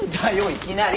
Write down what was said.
いきなり！